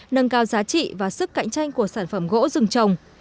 nâng cao giá trị và sức cạnh tranh của sản phẩm gỗ rừng trồng